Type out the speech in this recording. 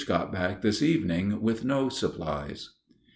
got back this evening with no supplies.